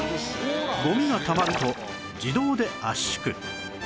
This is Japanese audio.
ゴミがたまると自動で圧縮